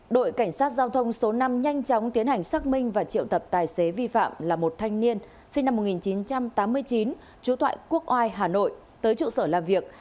đội cảnh sát giao thông số năm nhanh chóng tiến hành xác minh và triệu tập tài xế vi phạm là một thanh niên sinh năm một nghìn chín trăm tám mươi chín trú tại quốc oai hà nội tới trụ sở làm việc